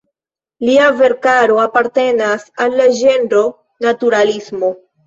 Lia verkaro apartenas al la ĝenro naturalismo.